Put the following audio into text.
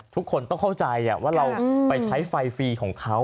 ทุกคนต้องเข้าใจว่าเราไปใช้ไฟฟรีของเขา